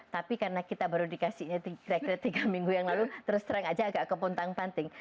tapi karena kita baru dikasihnya kira kira tiga minggu yang lalu terus terang aja agak kepontang panting